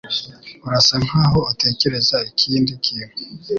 Urasa nkaho utekereza ikindi kintu.